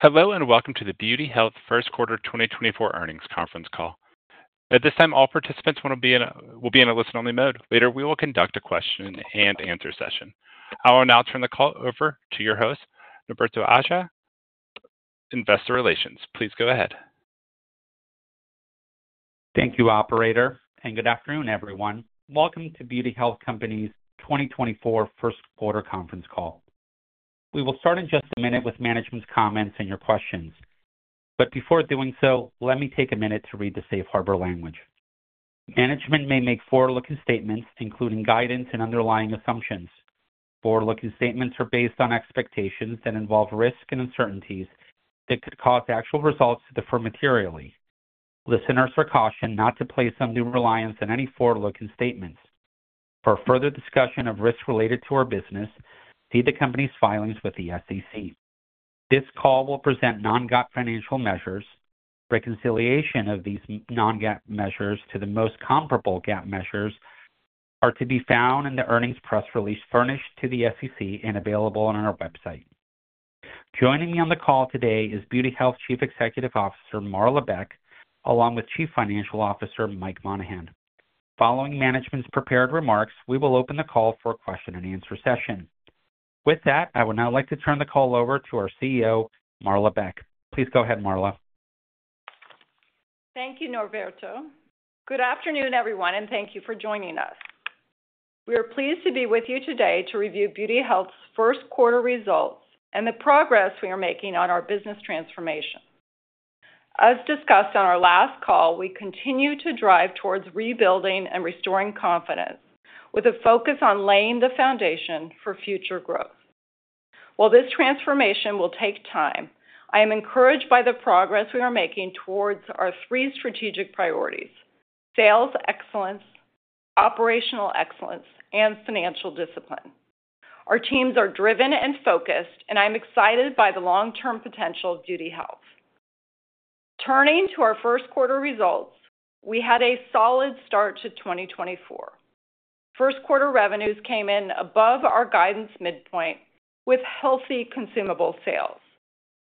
Hello and welcome to The Beauty Health Company First Quarter 2024 earnings conference call. At this time, all participants will be in a listen-only mode. Later, we will conduct a question-and-answer session. I will now turn the call over to your host, Norberto Aja, Investor Relations. Please go ahead. Thank you, operator, and good afternoon, everyone. Welcome to The Beauty Health Company's 2024 First Quarter conference call. We will start in just a minute with management's comments and your questions. Before doing so, let me take a minute to read the Safe Harbor language. Management may make forward-looking statements including guidance and underlying assumptions. Forward-looking statements are based on expectations that involve risk and uncertainties that could cause actual results to differ materially. Listeners are cautioned not to place undue reliance on any forward-looking statements. For further discussion of risks related to our business, see the company's filings with the SEC. This call will present non-GAAP financial measures. Reconciliation of these non-GAAP measures to the most comparable GAAP measures are to be found in the earnings press release furnished to the SEC and available on our website. Joining me on the call today is Beauty Health Chief Executive Officer Marla Beck along with Chief Financial Officer Mike Monahan. Following management's prepared remarks, we will open the call for a question-and-answer session. With that, I would now like to turn the call over to our CEO, Marla Beck. Please go ahead, Marla. Thank you, Norberto. Good afternoon, everyone, and thank you for joining us. We are pleased to be with you today to review Beauty Health's first quarter results and the progress we are making on our business transformation. As discussed on our last call, we continue to drive towards rebuilding and restoring confidence with a focus on laying the foundation for future growth. While this transformation will take time, I am encouraged by the progress we are making towards our three strategic priorities: sales excellence, operational excellence, and financial discipline. Our teams are driven and focused, and I'm excited by the long-term potential of Beauty Health. Turning to our first quarter results, we had a solid start to 2024. First quarter revenues came in above our guidance midpoint with healthy consumable sales.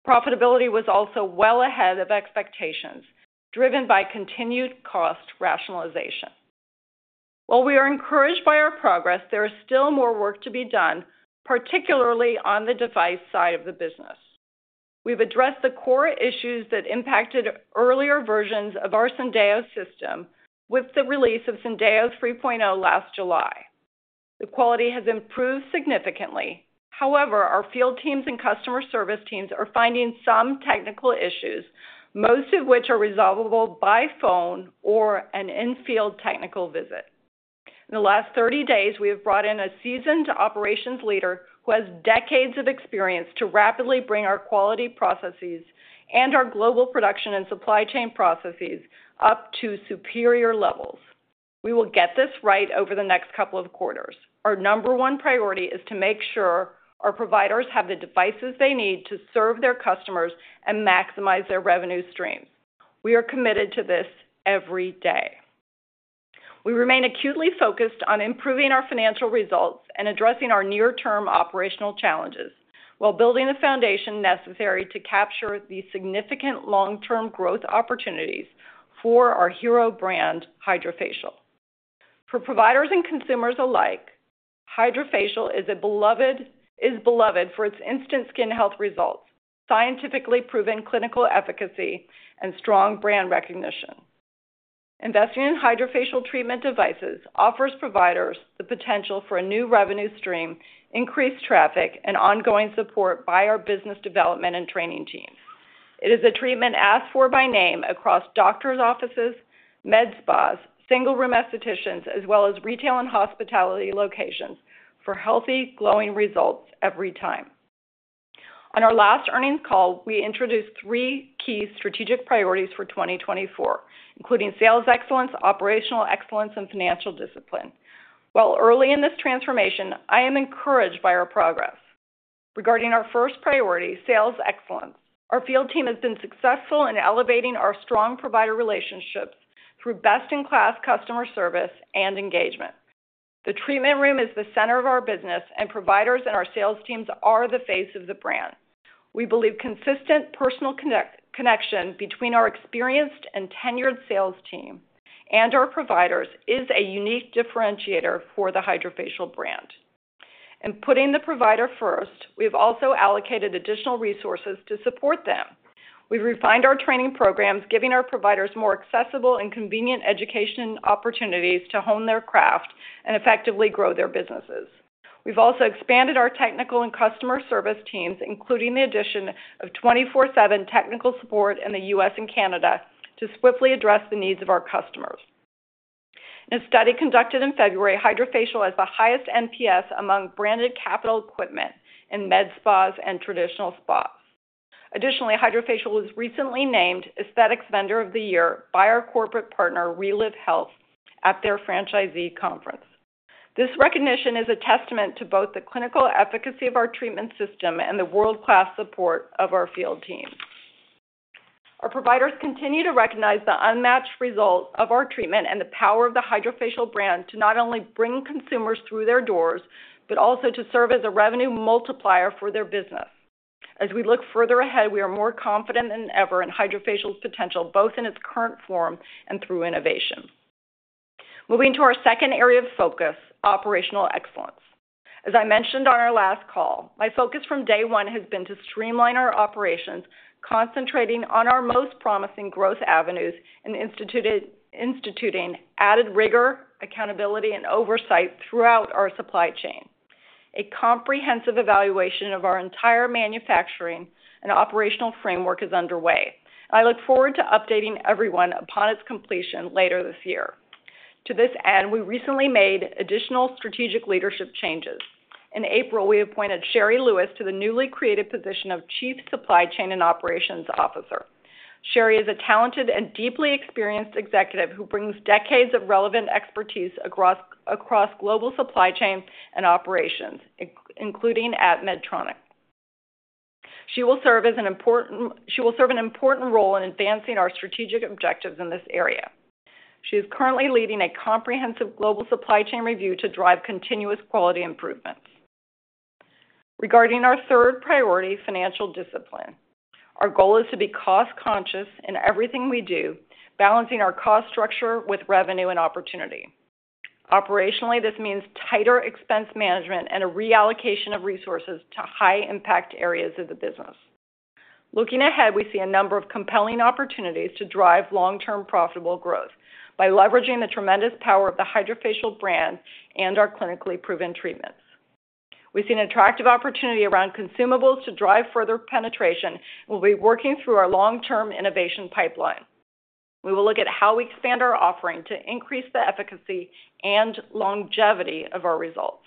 Profitability was also well ahead of expectations, driven by continued cost rationalization. While we are encouraged by our progress, there is still more work to be done, particularly on the device side of the business. We've addressed the core issues that impacted earlier versions of our Syndeo system with the release of Syndeo 3.0 last July. The quality has improved significantly. However, our field teams and customer service teams are finding some technical issues, most of which are resolvable by phone or an in-field technical visit. In the last 30 days, we have brought in a seasoned operations leader who has decades of experience to rapidly bring our quality processes and our global production and supply chain processes up to superior levels. We will get this right over the next couple of quarters. Our number one priority is to make sure our providers have the devices they need to serve their customers and maximize their revenue streams. We are committed to this every day. We remain acutely focused on improving our financial results and addressing our near-term operational challenges while building the foundation necessary to capture the significant long-term growth opportunities for our hero brand, HydraFacial. For providers and consumers alike, HydraFacial is beloved for its instant skin health results, scientifically proven clinical efficacy, and strong brand recognition. Investing in HydraFacial treatment devices offers providers the potential for a new revenue stream, increased traffic, and ongoing support by our business development and training teams. It is a treatment asked for by name across doctors' offices, med spas, single-room estheticians, as well as retail and hospitality locations for healthy, glowing results every time. On our last earnings call, we introduced three key strategic priorities for 2024, including sales excellence, operational excellence, and financial discipline. While early in this transformation, I am encouraged by our progress. Regarding our first priority, sales excellence, our field team has been successful in elevating our strong provider relationships through best-in-class customer service and engagement. The treatment room is the center of our business, and providers and our sales teams are the face of the brand. We believe consistent personal connection between our experienced and tenured sales team and our providers is a unique differentiator for the HydraFacial brand. In putting the provider first, we have also allocated additional resources to support them. We've refined our training programs, giving our providers more accessible and convenient education opportunities to hone their craft and effectively grow their businesses. We've also expanded our technical and customer service teams, including the addition of 24/7 technical support in the U.S. and Canada to swiftly address the needs of our customers. In a study conducted in February, HydraFacial has the highest NPS among branded capital equipment in med spas and traditional spas. Additionally, HydraFacial was recently named Aesthetics Vendor of the Year by our corporate partner, Relive Health, at their franchisee conference. This recognition is a testament to both the clinical efficacy of our treatment system and the world-class support of our field teams. Our providers continue to recognize the unmatched result of our treatment and the power of the HydraFacial brand to not only bring consumers through their doors but also to serve as a revenue multiplier for their business. As we look further ahead, we are more confident than ever in HydraFacial's potential, both in its current form and through innovation. Moving to our second area of focus, operational excellence. As I mentioned on our last call, my focus from day one has been to streamline our operations, concentrating on our most promising growth avenues and instituting added rigor, accountability, and oversight throughout our supply chain. A comprehensive evaluation of our entire manufacturing and operational framework is underway, and I look forward to updating everyone upon its completion later this year. To this end, we recently made additional strategic leadership changes. In April, we appointed Sheri Lewis to the newly created position of Chief Supply Chain and Operations Officer. Sheri is a talented and deeply experienced executive who brings decades of relevant expertise across global supply chain and operations, including at Medtronic. She will serve an important role in advancing our strategic objectives in this area. She is currently leading a comprehensive global supply chain review to drive continuous quality improvements. Regarding our third priority, financial discipline, our goal is to be cost-conscious in everything we do, balancing our cost structure with revenue and opportunity. Operationally, this means tighter expense management and a reallocation of resources to high-impact areas of the business. Looking ahead, we see a number of compelling opportunities to drive long-term profitable growth by leveraging the tremendous power of the HydraFacial brand and our clinically proven treatments. We see an attractive opportunity around consumables to drive further penetration and will be working through our long-term innovation pipeline. We will look at how we expand our offering to increase the efficacy and longevity of our results.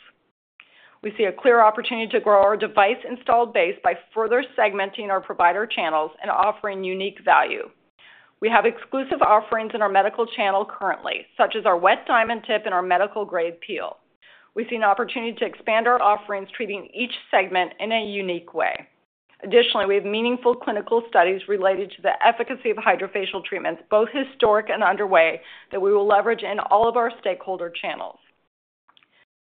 We see a clear opportunity to grow our device-installed base by further segmenting our provider channels and offering unique value. We have exclusive offerings in our medical channel currently, such as our Wet Diamond tip and our medical-grade peel. We see an opportunity to expand our offerings, treating each segment in a unique way. Additionally, we have meaningful clinical studies related to the efficacy of HydraFacial treatments, both historic and underway, that we will leverage in all of our stakeholder channels.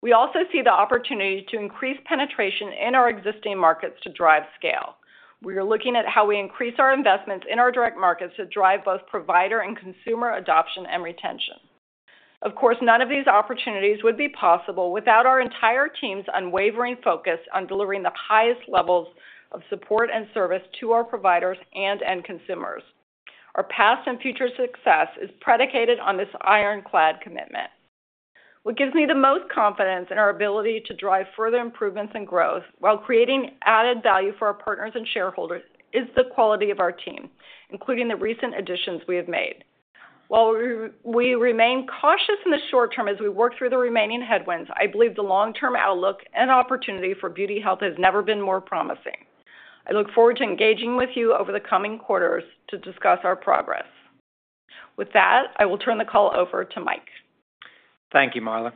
We also see the opportunity to increase penetration in our existing markets to drive scale. We are looking at how we increase our investments in our direct markets to drive both provider and consumer adoption and retention. Of course, none of these opportunities would be possible without our entire team's unwavering focus on delivering the highest levels of support and service to our providers and/or consumers. Our past and future success is predicated on this ironclad commitment. What gives me the most confidence in our ability to drive further improvements and growth while creating added value for our partners and shareholders is the quality of our team, including the recent additions we have made. While we remain cautious in the short term as we work through the remaining headwinds, I believe the long-term outlook and opportunity for Beauty Health has never been more promising. I look forward to engaging with you over the coming quarters to discuss our progress. With that, I will turn the call over to Mike. Thank you, Marla.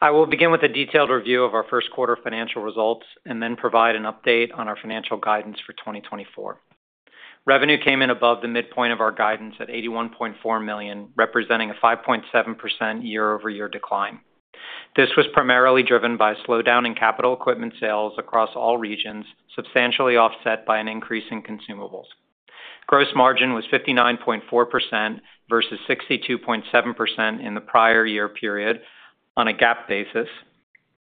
I will begin with a detailed review of our first quarter financial results and then provide an update on our financial guidance for 2024. Revenue came in above the midpoint of our guidance at $81.4 million, representing a 5.7% year-over-year decline. This was primarily driven by a slowdown in capital equipment sales across all regions, substantially offset by an increase in consumables. Gross margin was 59.4% versus 62.7% in the prior year period on a GAAP basis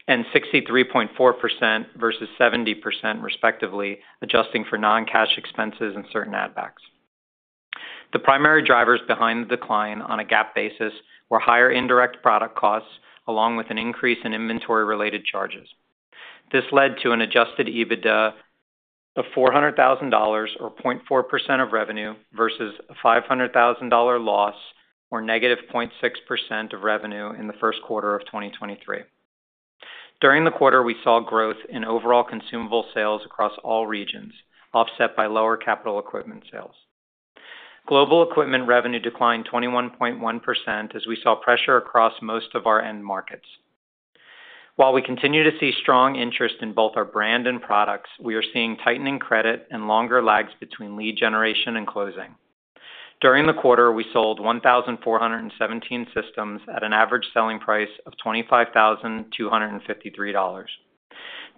and 63.4% versus 70%, respectively, adjusting for non-cash expenses and certain add-backs. The primary drivers behind the decline on a GAAP basis were higher indirect product costs along with an increase in inventory-related charges. This led to an adjusted EBITDA of $400,000 or 0.4% of revenue versus a $500,000 loss or -0.6% of revenue in the first quarter of 2023. During the quarter, we saw growth in overall consumable sales across all regions, offset by lower capital equipment sales. Global equipment revenue declined 21.1% as we saw pressure across most of our end markets. While we continue to see strong interest in both our brand and products, we are seeing tightening credit and longer lags between lead generation and closing. During the quarter, we sold 1,417 systems at an average selling price of $25,253.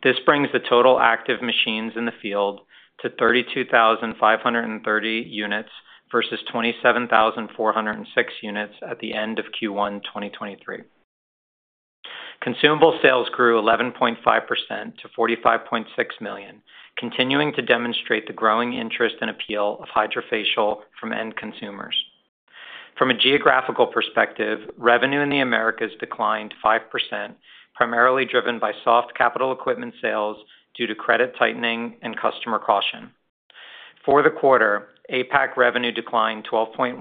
This brings the total active machines in the field to 32,530 units versus 27,406 units at the end of Q1 2023. Consumable sales grew 11.5% to $45.6 million, continuing to demonstrate the growing interest and appeal of HydraFacial from end consumers. From a geographical perspective, revenue in the Americas declined 5%, primarily driven by soft capital equipment sales due to credit tightening and customer caution. For the quarter, APAC revenue declined 12.1%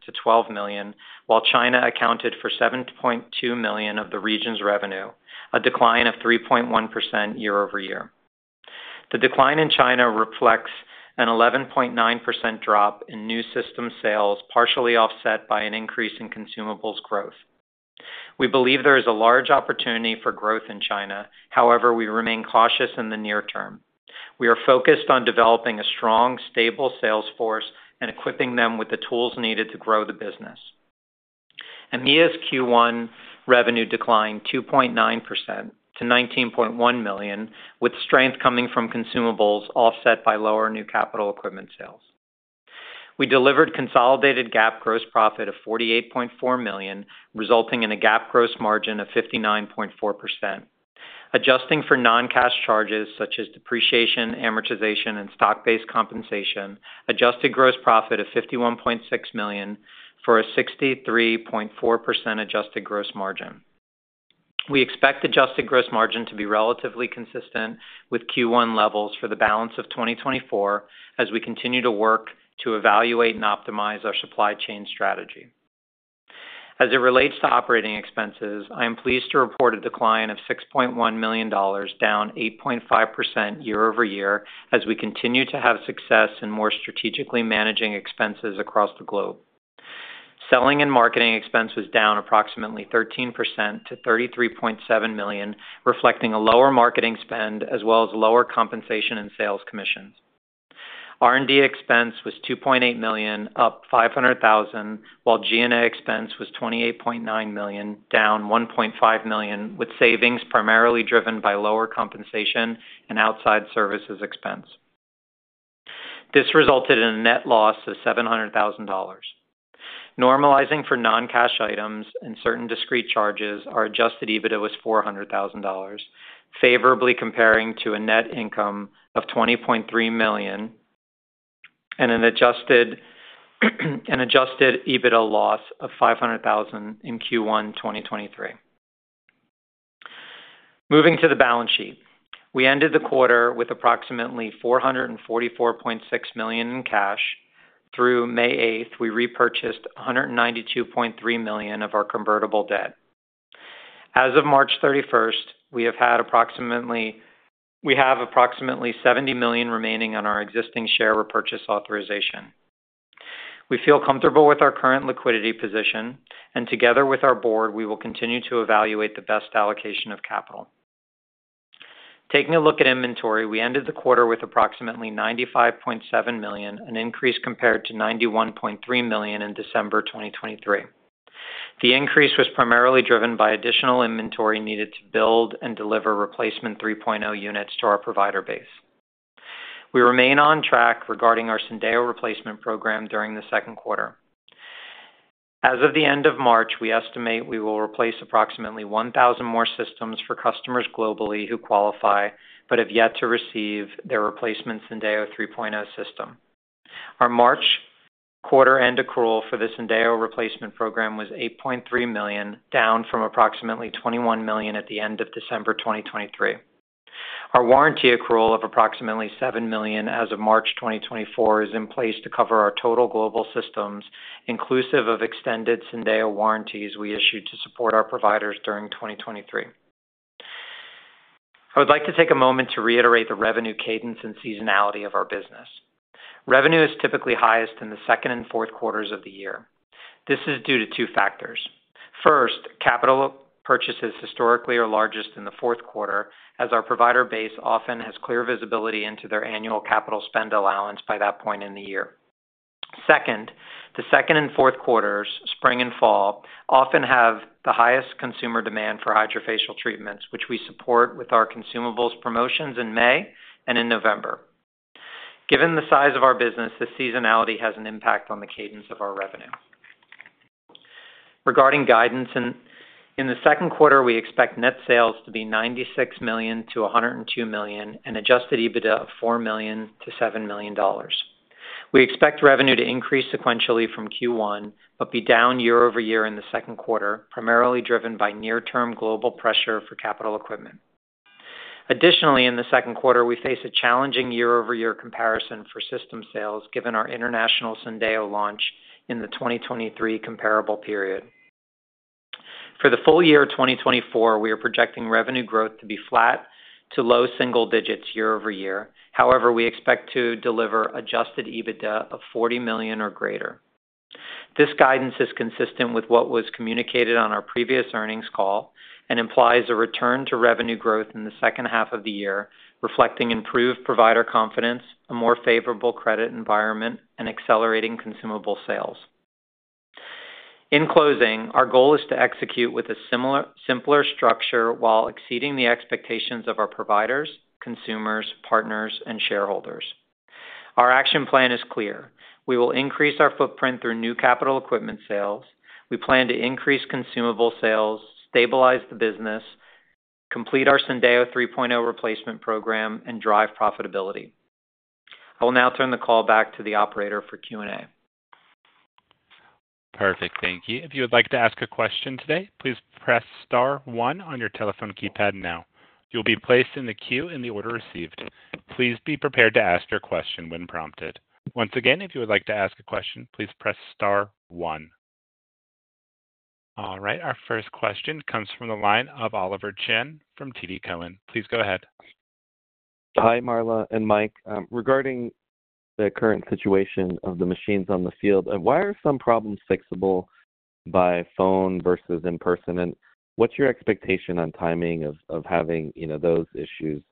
to $12 million, while China accounted for $7.2 million of the region's revenue, a decline of 3.1% year-over-year. The decline in China reflects an 11.9% drop in new system sales, partially offset by an increase in consumables growth. We believe there is a large opportunity for growth in China. However, we remain cautious in the near term. We are focused on developing a strong, stable sales force and equipping them with the tools needed to grow the business. EMEA's Q1 revenue declined 2.9% to $19.1 million, with strength coming from consumables offset by lower new capital equipment sales. We delivered consolidated GAAP gross profit of $48.4 million, resulting in a GAAP gross margin of 59.4%. Adjusting for non-cash charges such as depreciation, amortization, and stock-based compensation, adjusted gross profit of $51.6 million for a 63.4% adjusted gross margin. We expect adjusted gross margin to be relatively consistent with Q1 levels for the balance of 2024 as we continue to work to evaluate and optimize our supply chain strategy. As it relates to operating expenses, I am pleased to report a decline of $6.1 million down 8.5% year-over-year as we continue to have success in more strategically managing expenses across the globe. Selling and marketing expense was down approximately 13% to $33.7 million, reflecting a lower marketing spend as well as lower compensation and sales commissions. R&D expense was $2.8 million, up $500,000, while G&A expense was $28.9 million, down $1.5 million, with savings primarily driven by lower compensation and outside services expense. This resulted in a net loss of $700,000. Normalizing for non-cash items and certain discrete charges, our adjusted EBITDA was $400,000, favorably comparing to a net income of $20.3 million and an adjusted EBITDA loss of $500,000 in Q1 2023. Moving to the balance sheet, we ended the quarter with approximately $444.6 million in cash. Through May 8th, we repurchased $192.3 million of our convertible debt. As of March 31st, we have approximately $70 million remaining on our existing share repurchase authorization. We feel comfortable with our current liquidity position, and together with our board, we will continue to evaluate the best allocation of capital. Taking a look at inventory, we ended the quarter with approximately $95.7 million, an increase compared to $91.3 million in December 2023. The increase was primarily driven by additional inventory needed to build and deliver replacement 3.0 units to our provider base. We remain on track regarding our Syndeo replacement program during the second quarter. As of the end of March, we estimate we will replace approximately 1,000 more systems for customers globally who qualify but have yet to receive their replacement Syndeo 3.0 system. Our March quarter-end accrual for the Syndeo replacement program was $8.3 million, down from approximately $21 million at the end of December 2023. Our warranty accrual of approximately $7 million as of March 2024 is in place to cover our total global systems, inclusive of extended Syndeo warranties we issued to support our providers during 2023. I would like to take a moment to reiterate the revenue cadence and seasonality of our business. Revenue is typically highest in the second and fourth quarters of the year. This is due to two factors. First, capital purchases historically are largest in the fourth quarter as our provider base often has clear visibility into their annual capital spend allowance by that point in the year. Second, the second and fourth quarters, spring and fall, often have the highest consumer demand for HydraFacial treatments, which we support with our consumables promotions in May and in November. Given the size of our business, this seasonality has an impact on the cadence of our revenue. Regarding guidance, in the second quarter, we expect net sales to be $96 million-$102 million and adjusted EBITDA of $4 million-$7 million. We expect revenue to increase sequentially from Q1 but be down year-over-year in the second quarter, primarily driven by near-term global pressure for capital equipment. Additionally, in the second quarter, we face a challenging year-over-year comparison for system sales, given our international Syndeo launch in the 2023 comparable period. For the full year 2024, we are projecting revenue growth to be flat to low single digits year-over-year. However, we expect to deliver adjusted EBITDA of $40 million or greater. This guidance is consistent with what was communicated on our previous earnings call and implies a return to revenue growth in the second half of the year, reflecting improved provider confidence, a more favorable credit environment, and accelerating consumable sales. In closing, our goal is to execute with a simpler structure while exceeding the expectations of our providers, consumers, partners, and shareholders. Our action plan is clear. We will increase our footprint through new capital equipment sales. We plan to increase consumable sales, stabilize the business, complete our Syndeo 3.0 replacement program, and drive profitability. I will now turn the call back to the operator for Q&A. Perfect. Thank you. If you would like to ask a question today, please press star one on your telephone keypad now. You'll be placed in the queue in the order received. Please be prepared to ask your question when prompted. Once again, if you would like to ask a question, please press star one. All right. Our first question comes from the line of Oliver Chen from TD Cowen. Please go ahead. Hi, Marla and Mike. Regarding the current situation of the machines on the field, why are some problems fixable by phone versus in person? And what's your expectation on timing of having those issues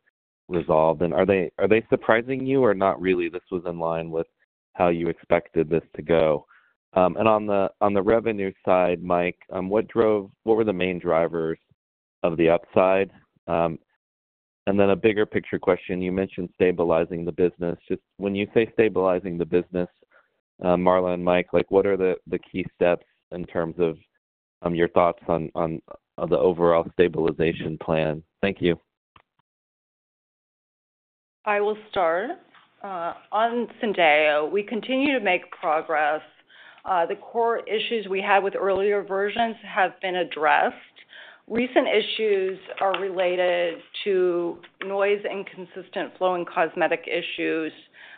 resolved? And are they surprising you or not really? This was in line with how you expected this to go. And on the revenue side, Mike, what were the main drivers of the upside? And then a bigger picture question, you mentioned stabilizing the business. When you say stabilizing the business, Marla and Mike, what are the key steps in terms of your thoughts on the overall stabilization plan? Thank you. I will start. On Syndeo, we continue to make progress. The core issues we had with earlier versions have been addressed. Recent issues are related to noise and consistent flowing cosmetic issues.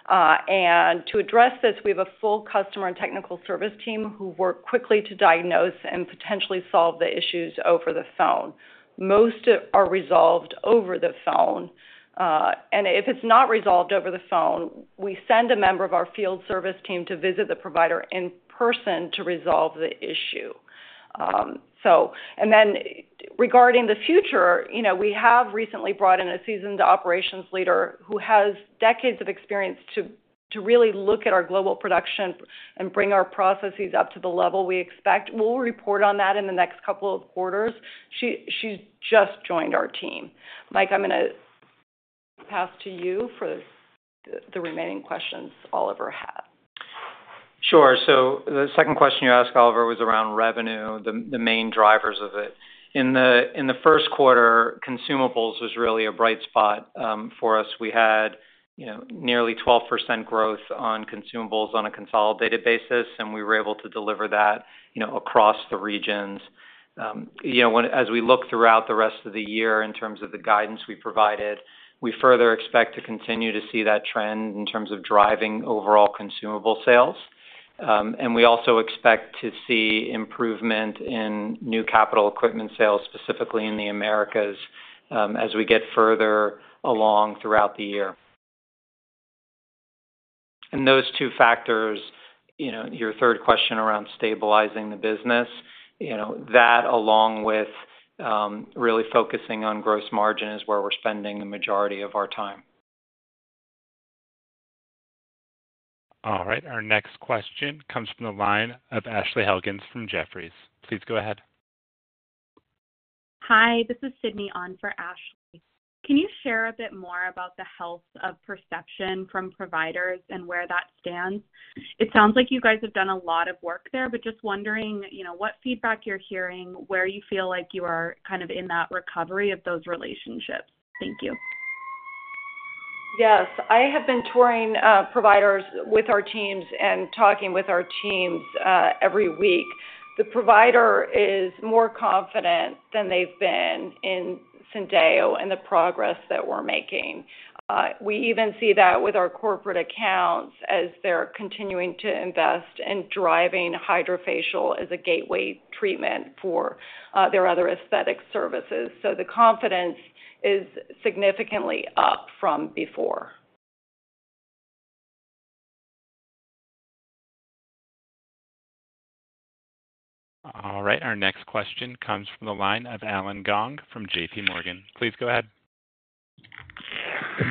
To address this, we have a full customer and technical service team who work quickly to diagnose and potentially solve the issues over the phone. Most are resolved over the phone. If it's not resolved over the phone, we send a member of our field service team to visit the provider in person to resolve the issue. Regarding the future, we have recently brought in a seasoned operations leader who has decades of experience to really look at our global production and bring our processes up to the level we expect. We'll report on that in the next couple of quarters. She's just joined our team. Mike, I'm going to pass to you for the remaining questions Oliver had. Sure. So the second question you asked, Oliver, was around revenue, the main drivers of it. In the first quarter, consumables was really a bright spot for us. We had nearly 12% growth on consumables on a consolidated basis, and we were able to deliver that across the regions. As we look throughout the rest of the year in terms of the guidance we provided, we further expect to continue to see that trend in terms of driving overall consumable sales. And we also expect to see improvement in new capital equipment sales, specifically in the Americas, as we get further along throughout the year. And those two factors, your third question around stabilizing the business, that along with really focusing on gross margin is where we're spending the majority of our time. All right. Our next question comes from the line of Ashley Helgans from Jefferies. Please go ahead. Hi, this is Sydney on for Ashley. Can you share a bit more about the health of perception from providers and where that stands? It sounds like you guys have done a lot of work there, but just wondering what feedback you're hearing, where you feel like you are kind of in that recovery of those relationships. Thank you. Yes. I have been touring providers with our teams and talking with our teams every week. The provider is more confident than they've been in Syndeo and the progress that we're making. We even see that with our corporate accounts as they're continuing to invest and driving HydraFacial as a gateway treatment for their other aesthetic services. So the confidence is significantly up from before. All right. Our next question comes from the line of Allen Gong from JPMorgan. Please go ahead.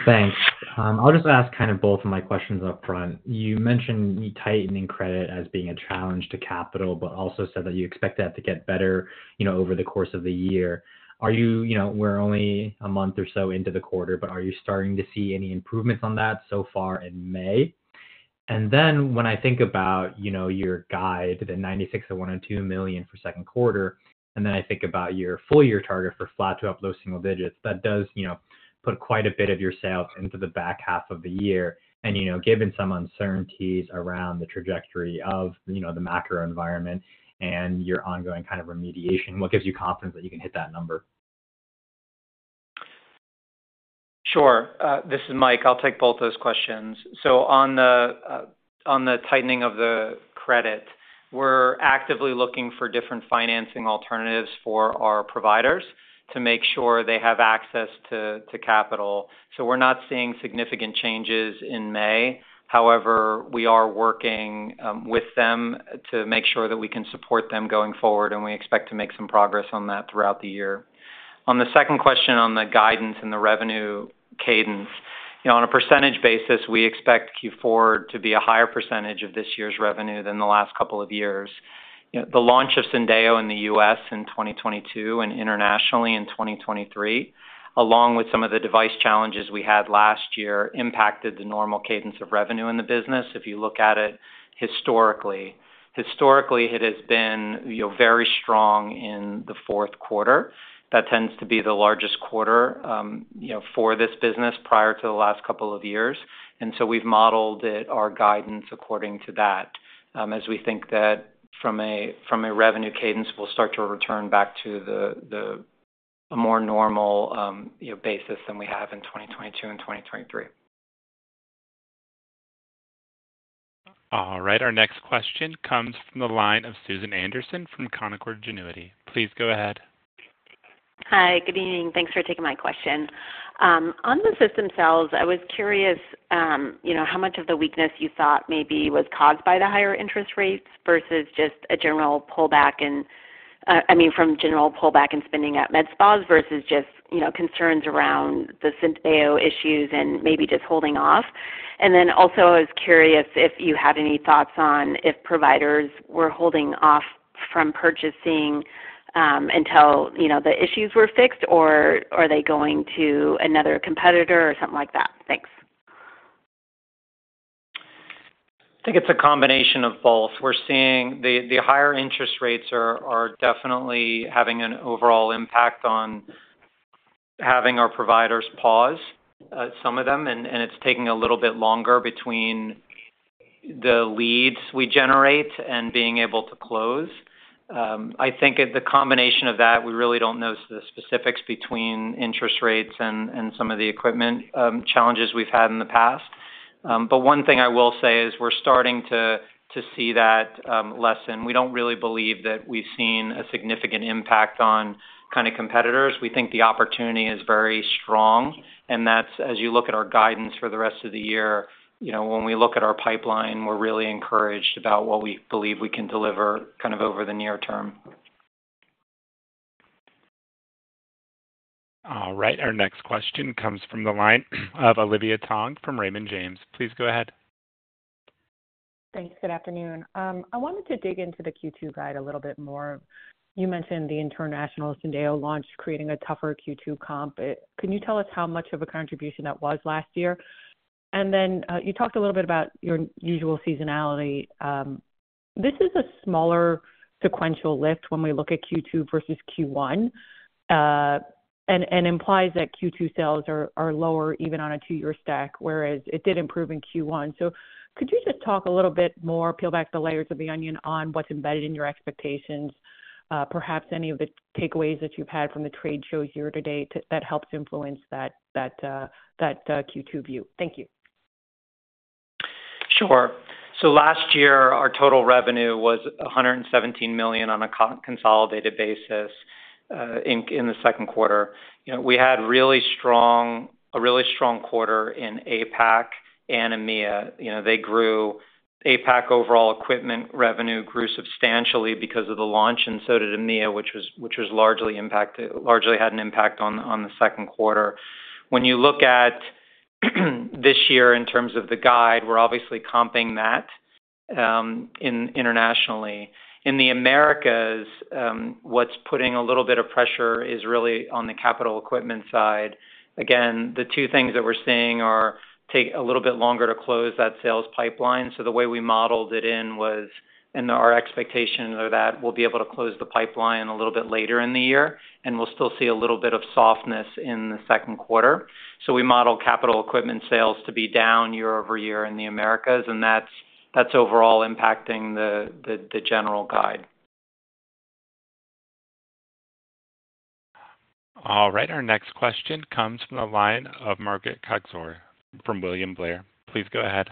Thanks. I'll just ask kind of both of my questions up front. You mentioned tightening credit as being a challenge to capital, but also said that you expect that to get better over the course of the year. We're only a month or so into the quarter, but are you starting to see any improvements on that so far in May? And then when I think about your guide, the $96 million-$102 million for second quarter, and then I think about your full year target for flat to up low single digits, that does put quite a bit of your sales into the back half of the year. And given some uncertainties around the trajectory of the macro environment and your ongoing kind of remediation, what gives you confidence that you can hit that number? Sure. This is Mike. I'll take both those questions. So on the tightening of the credit, we're actively looking for different financing alternatives for our providers to make sure they have access to capital. So we're not seeing significant changes in May. However, we are working with them to make sure that we can support them going forward, and we expect to make some progress on that throughout the year. On the second question on the guidance and the revenue cadence, on a percentage basis, we expect Q4 to be a higher percentage of this year's revenue than the last couple of years. The launch of Syndeo in the U.S. in 2022 and internationally in 2023, along with some of the device challenges we had last year, impacted the normal cadence of revenue in the business if you look at it historically. Historically, it has been very strong in the fourth quarter. That tends to be the largest quarter for this business prior to the last couple of years. We've modeled our guidance according to that as we think that from a revenue cadence, we'll start to return back to a more normal basis than we have in 2022 and 2023. All right. Our next question comes from the line of Susan Anderson from Canaccord Genuity. Please go ahead. Hi. Good evening. Thanks for taking my question. On the system sales, I was curious how much of the weakness you thought maybe was caused by the higher interest rates versus just a general pullback in—I mean, from general pullback in spending at med spas versus just concerns around the Syndeo issues and maybe just holding off. And then also, I was curious if you had any thoughts on if providers were holding off from purchasing until the issues were fixed, or are they going to another competitor or something like that? Thanks. I think it's a combination of both. The higher interest rates are definitely having an overall impact on having our providers pause, some of them. And it's taking a little bit longer between the leads we generate and being able to close. I think the combination of that, we really don't know the specifics between interest rates and some of the equipment challenges we've had in the past. But one thing I will say is we're starting to see that lessen. We don't really believe that we've seen a significant impact on kind of competitors. We think the opportunity is very strong. And as you look at our guidance for the rest of the year, when we look at our pipeline, we're really encouraged about what we believe we can deliver kind of over the near term. All right. Our next question comes from the line of Olivia Tong from Raymond James. Please go ahead. Thanks. Good afternoon. I wanted to dig into the Q2 guide a little bit more. You mentioned the international Syndeo launch creating a tougher Q2 comp. Can you tell us how much of a contribution that was last year? And then you talked a little bit about your usual seasonality. This is a smaller sequential lift when we look at Q2 versus Q1 and implies that Q2 sales are lower even on a two-year stack, whereas it did improve in Q1. So could you just talk a little bit more, peel back the layers of the onion, on what's embedded in your expectations, perhaps any of the takeaways that you've had from the trade shows year to date that helps influence that Q2 view? Thank you. Sure. So last year, our total revenue was $117 million on a consolidated basis in the second quarter. We had a really strong quarter in APAC and EMEA. They grew. APAC overall equipment revenue grew substantially because of the launch, and so did EMEA, which largely had an impact on the second quarter. When you look at this year in terms of the guide, we're obviously comping that internationally. In the Americas, what's putting a little bit of pressure is really on the capital equipment side. Again, the two things that we're seeing are take a little bit longer to close that sales pipeline. So the way we modeled it in was and our expectations are that we'll be able to close the pipeline a little bit later in the year, and we'll still see a little bit of softness in the second quarter. We modeled capital equipment sales to be down year-over-year in the Americas, and that's overall impacting the general guide. All right. Our next question comes from the line of Margaret Kaczor from William Blair. Please go ahead.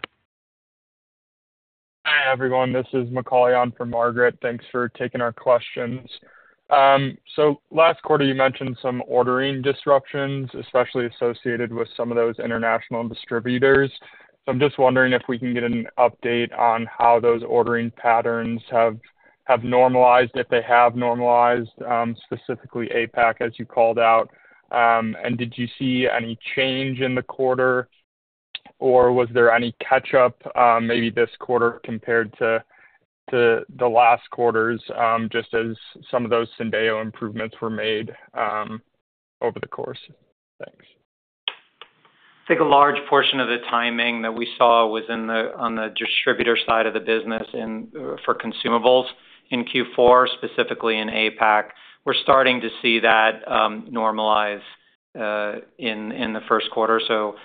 Hi, everyone. This is Macaulay on for Margaret. Thanks for taking our questions. So last quarter, you mentioned some ordering disruptions, especially associated with some of those international distributors. So I'm just wondering if we can get an update on how those ordering patterns have normalized, if they have normalized, specifically APAC, as you called out. And did you see any change in the quarter, or was there any catch-up maybe this quarter compared to the last quarters just as some of those Syndeo improvements were made over the course? Thanks. I think a large portion of the timing that we saw was on the distributor side of the business for consumables in Q4, specifically in APAC. We're starting to see that normalize in the first quarter. So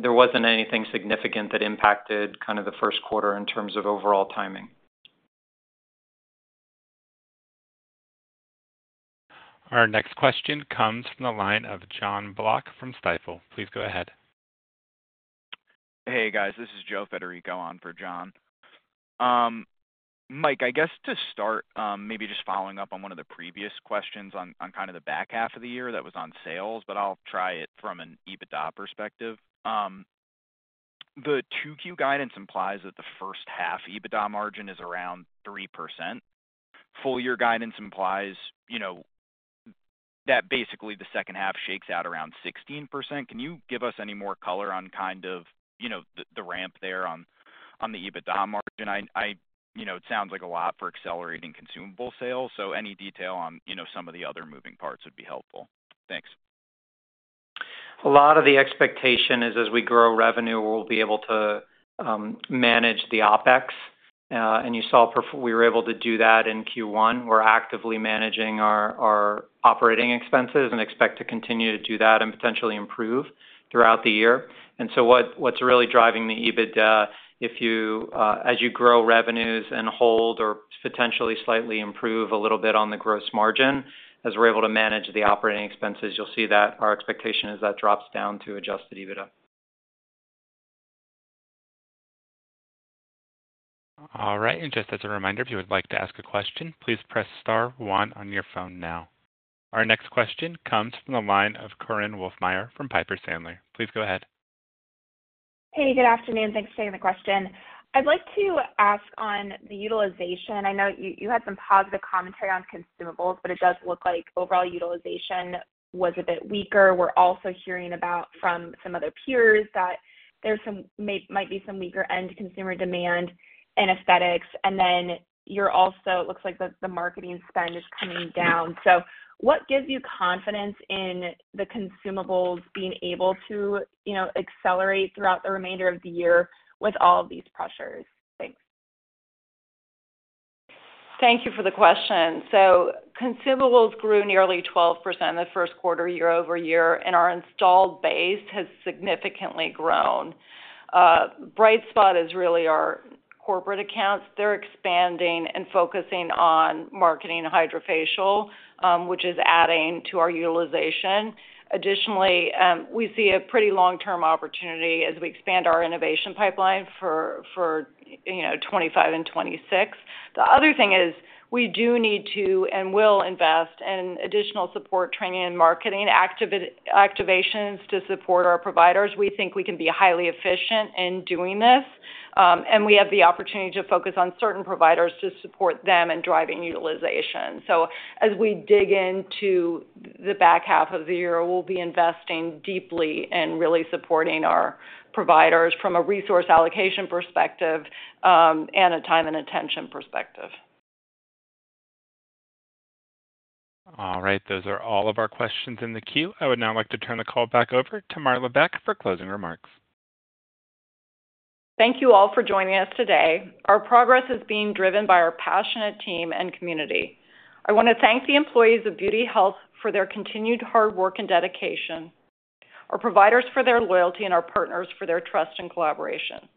there wasn't anything significant that impacted kind of the first quarter in terms of overall timing. Our next question comes from the line of Jon Block from Stifel. Please go ahead. Hey, guys. This is Joe Federico on for John. Mike, I guess to start, maybe just following up on one of the previous questions on kind of the back half of the year that was on sales, but I'll try it from an EBITDA perspective. The 2Q guidance implies that the first-half EBITDA margin is around 3%. Full-year guidance implies that basically the second half shakes out around 16%. Can you give us any more color on kind of the ramp there on the EBITDA margin? It sounds like a lot for accelerating consumable sales, so any detail on some of the other moving parts would be helpful. Thanks. A lot of the expectation is as we grow revenue, we'll be able to manage the OpEx. You saw we were able to do that in Q1. We're actively managing our operating expenses and expect to continue to do that and potentially improve throughout the year. And so what's really driving the EBITDA, as you grow revenues and hold or potentially slightly improve a little bit on the gross margin as we're able to manage the operating expenses, you'll see that our expectation is that drops down to adjusted EBITDA. All right. Just as a reminder, if you would like to ask a question, please press star one on your phone now. Our next question comes from the line of Korinne Wolfmeyer from Piper Sandler. Please go ahead. Hey. Good afternoon. Thanks for taking the question. I'd like to ask on the utilization. I know you had some positive commentary on consumables, but it does look like overall utilization was a bit weaker. We're also hearing from some other peers that there might be some weaker end consumer demand in aesthetics. And then it looks like the marketing spend is coming down. So what gives you confidence in the consumables being able to accelerate throughout the remainder of the year with all of these pressures? Thanks. Thank you for the question. So consumables grew nearly 12% in the first quarter year-over-year, and our installed base has significantly grown. Bright spot is really our corporate accounts. They're expanding and focusing on marketing HydraFacial, which is adding to our utilization. Additionally, we see a pretty long-term opportunity as we expand our innovation pipeline for 2025 and 2026. The other thing is we do need to and will invest in additional support, training, and marketing activations to support our providers. We think we can be highly efficient in doing this. We have the opportunity to focus on certain providers to support them in driving utilization. So as we dig into the back half of the year, we'll be investing deeply in really supporting our providers from a resource allocation perspective and a time and attention perspective. All right. Those are all of our questions in the queue. I would now like to turn the call back over to Marla Beck for closing remarks. Thank you all for joining us today. Our progress is being driven by our passionate team and community. I want to thank the employees of Beauty Health for their continued hard work and dedication, our providers for their loyalty, and our partners for their trust and collaboration.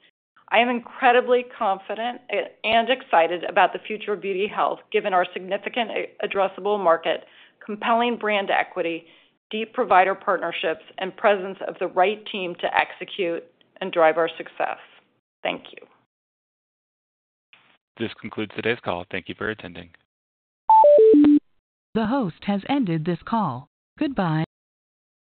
I am incredibly confident and excited about the future of Beauty Health given our significant addressable market, compelling brand equity, deep provider partnerships, and presence of the right team to execute and drive our success. Thank you. This concludes today's call. Thank you for attending. The host has ended this call. Goodbye.